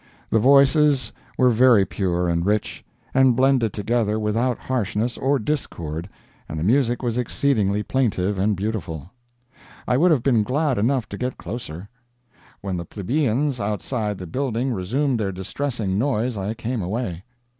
The voices were very pure and rich, and blended together without harshness or discord and the music was exceedingly plaintive and beautiful. I would have been glad enough to get closer. When the plebeians outside the building resumed their distressing noise I came away.